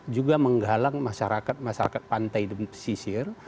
juga menggalang masyarakat masyarakat pantai di pesisir